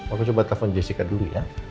aku coba telepon jessica dulu ya